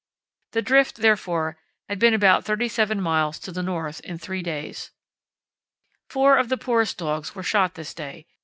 The drift, therefore, had been about 37 miles to the north in three days. Four of the poorest dogs were shot this day.